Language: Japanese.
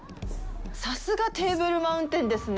さすがテーブルマウンテンですね。